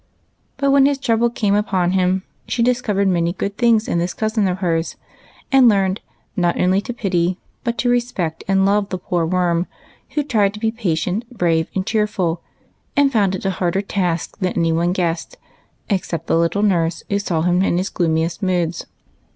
But when his trouble came upon him, she discov ered many good things in this cousin of hers, and learned not only to pity but to respect and love the poor Worm, who tried to be patient, brave, and cheer ful, and found it a harder task than any one guessed, except the little nurse, who saw him in his gloomiest moods.